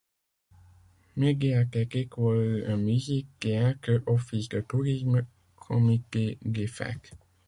Médiathèque, école de musique, théâtre, office de tourisme, comité des fêtes.